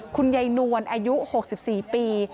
คุณยายนวลอายุ๖๔ปี